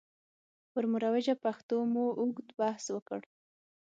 پر مروجه پښتو مو اوږد بحث وکړ.